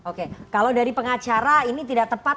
oke kalau dari pengacara ini tidak tepat